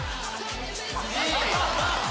いい！